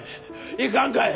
行かんかえ！